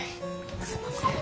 すみません。